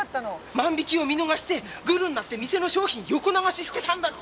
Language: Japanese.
万引きを見逃してグルになって店の商品横流ししてたんだって。